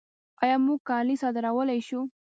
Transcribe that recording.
آیا موږ کالي صادرولی شو؟